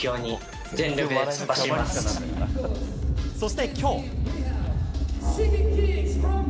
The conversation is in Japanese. そして、今日。